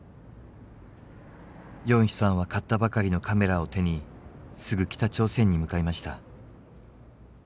ヨンヒさんは買ったばかりのカメラを手にすぐ北朝鮮に向かいました。